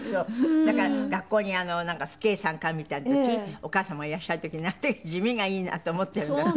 だから学校になんか父兄参観みたいな時お母様がいらっしゃる時地味がいいなと思ってるんだって？